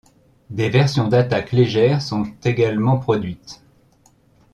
Des versions d'attaque légère sont également produites.